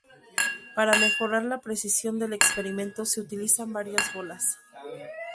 Para mejorar la precisión del experimento se utilizan varias bolas.